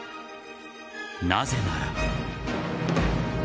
なぜなら。